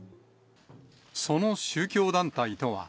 その宗教団体とは、